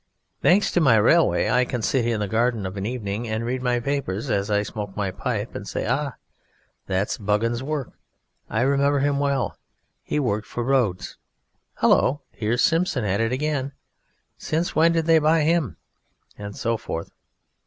Thanks to my railway I can sit in the garden of an evening and read my paper as I smoke my pipe, and say, "Ah! That's Buggin's work. I remember him well; he worked for Rhodes.... Hullo! Here's Simpson at it again; since when did they buy him?..." And so forth.